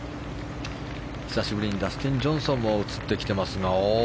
久しぶりにダスティン・ジョンソンが映ってきてますが